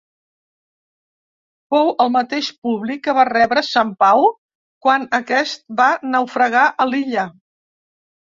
Fou el mateix Publi que va rebre Sant Pau quan aquest va naufragar a l'illa.